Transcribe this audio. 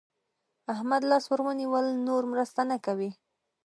احمد لاس ور ونيول؛ نور مرسته نه کوي.